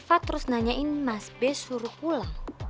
fat terus nanyain mas b suruh pulang